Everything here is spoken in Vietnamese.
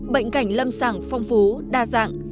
bệnh cảnh lâm sảng phong phú đa dạng